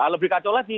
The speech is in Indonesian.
lebih kacau lagi